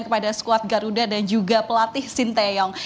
kepada skuad garuda dan juga pelatih sinteyong